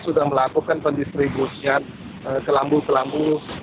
sudah melakukan pendistribusian ke lambu kelambu